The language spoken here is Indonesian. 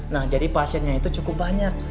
nah jadi pasiennya itu cukup banyak